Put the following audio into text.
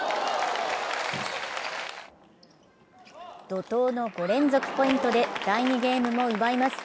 怒とうの５連続ポイントで第２ゲームも奪います。